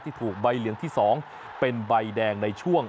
ถูกใบเหลืองที่๒เป็นใบแดงในช่วง